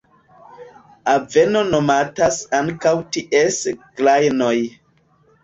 Aveno nomatas ankaŭ ties grajnoj.